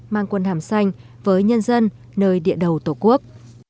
mang quân hàm xanh với nhân dân nơi địa đầu tổ quốc